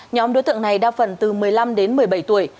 nhóm đối tượng này đa phần từ một mươi năm đến một mươi bảy tuổi